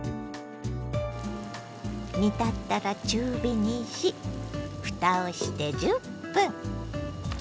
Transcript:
煮立ったら中火にしふたをして１０分。